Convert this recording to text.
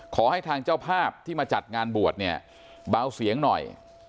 ขอให้ทางเจ้าภาพที่มาจัดงานบวชเนี่ยเบาเสียงหน่อย